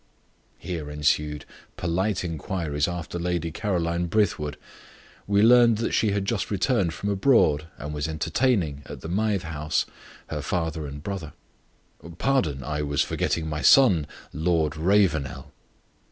Here ensued polite inquiries after Lady Caroline Brithwood; we learned that she was just returned from abroad, and was entertaining, at the Mythe House, her father and brother. "Pardon I was forgetting my son Lord Ravenel."